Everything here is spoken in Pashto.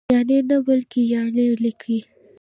یعني نه بلکې یانې لیکئ!